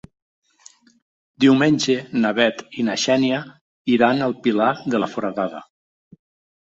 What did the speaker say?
Diumenge na Bet i na Xènia iran al Pilar de la Foradada.